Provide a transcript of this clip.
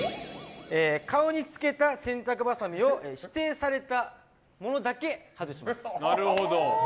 顔につけた洗濯ばさみを指定されたものだけ外します。